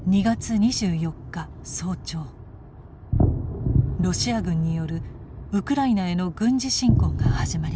ロシア軍によるウクライナへの軍事侵攻が始まりました。